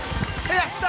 やった！